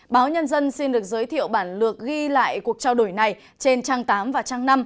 báo nhân dân xin được giới thiệu bản lược ghi lại cuộc trao đổi này trên trang tám và trang năm